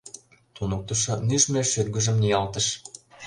Туныктышо нӱжмӧ шӱргыжым ниялтыш.